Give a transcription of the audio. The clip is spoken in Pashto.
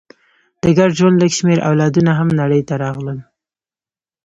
د ګډ ژوند لږ شمېر اولادونه هم نړۍ ته راغلل.